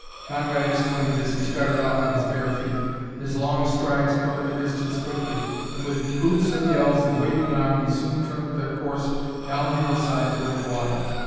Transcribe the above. Conrad exclaimed as he started off in his bare feet. His long strides covered the distance quickly, and with hoots and yells and waving arm he soon turned their course down the hillside toward the water.